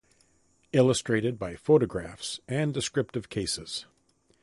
Illustrated by Photographs and descriptive Cases.